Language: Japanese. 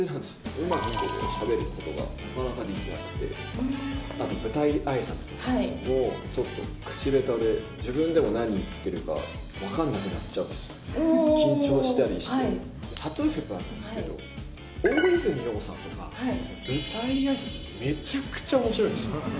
うまくしゃべることができなくて、あと、舞台あいさつとかも、ちょっと口下手で、自分でも何を言ってるか分かんなくなっちゃうんです、緊張したりして、例えばですけど、大泉洋さんとか、舞台あいさつ、めちゃくちゃおもしろいんですよ。